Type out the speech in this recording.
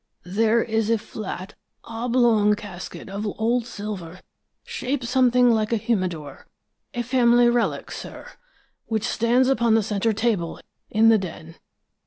"There is a flat, oblong casket of old silver, shaped somewhat like a humidor a family relic, sir which stands upon the center table in the den.